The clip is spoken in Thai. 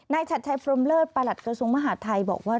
ชัดชัยพรมเลิศประหลัดกระทรวงมหาดไทยบอกว่า